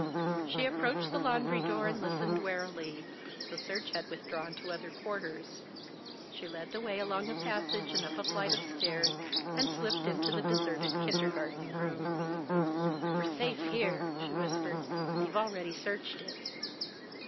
She approached the laundry door and listened warily; the search had withdrawn to other quarters. She led the way along a passage and up a flight of stairs and slipped into the deserted kindergarten room. "We're safe here," she whispered. "They've already searched it."